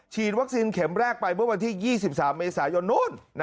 ฉีดวัคซีนเข็มแรกไปเมื่อวันที่๒๓เมษายนนู้น